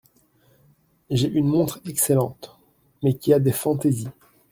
J’ai une montre excellente ; mais qui a des fantaisies.